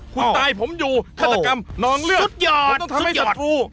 คุณตายผมอยู่ธรรมนอนเลือดสุดยอดสุดยอด